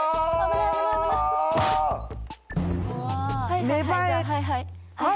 はいはいはい。